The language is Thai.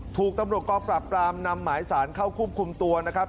ถูกตำรวจกองปราบปรามนำหมายสารเข้าควบคุมตัวนะครับ